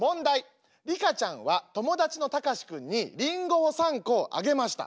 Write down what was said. リカちゃんは友達のタカシ君にリンゴを３個あげました。